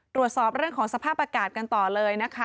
ตรวจสอบเรื่องของสภาพอากาศกันต่อเลยนะคะ